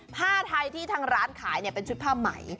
ผ้าไทยที่ทางร้านขายเป็นชุดผ้าใหม่